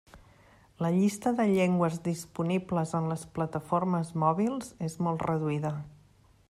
La llista de llengües disponibles en les plataformes mòbils és molt reduïda.